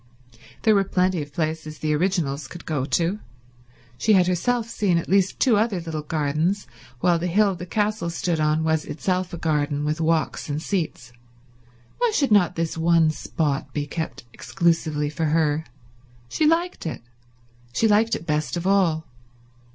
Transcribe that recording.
There were plenty of places the originals could go to—she had herself seen at least two other little gardens, while the hill the castle stood on was itself a garden, with walks and seats. Why should not this one spot be kept exclusively for her? She liked it; she liked it best of all.